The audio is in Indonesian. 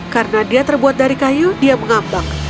karena dia terbuat dari kayu dia mengambang